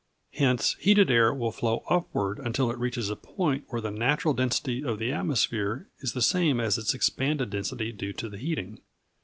Hence, heated air will flow upward until it reaches a point where the natural density of the atmosphere is the same as its expanded density due to the heating.